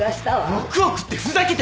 ６億ってふざけてる！